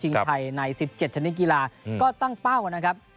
ไทยใน๑๗ชนิดกีฬาก็ตั้งเป้านะครับ